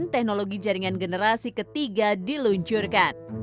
teknologi jaringan generasi ketiga diluncurkan